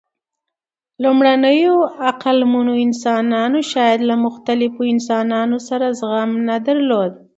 لومړنیو عقلمنو انسانانو شاید له مختلفو انسانانو سره زغم نه درلود.